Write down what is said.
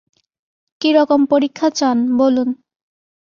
কিরকম পরীক্ষা চান, বলুন।